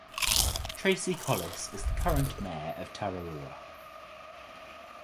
Tracey Collis is the current mayor of Tararua.